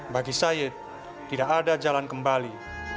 bagi said tidak ada jalan kembali